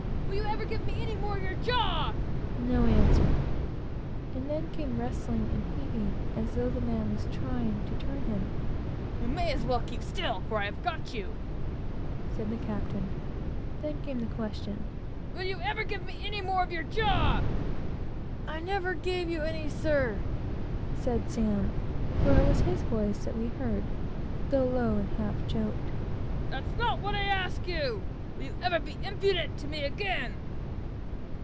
Will you ever give me any more of your jaw?" No answer; and then came wrestling and heaving, as though the man was trying to turn him. "You may as well keep still, for I have got you," said the captain. Then came the question, "Will you ever give me any more of your jaw?" "I never gave you any, sir," said Sam; for it was his voice that we heard, though low and half choked. "That's not what I ask you. Will you ever be impudent to me again?"